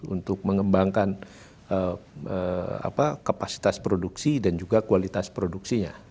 untuk mengembangkan kapasitas produksi dan juga kualitas produksinya